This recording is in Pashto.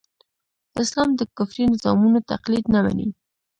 اسلام د کفري نظامونو تقليد نه مني.